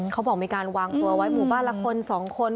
เขาบอกมีการวางตัวไว้หมู่บ้านละคน๒คน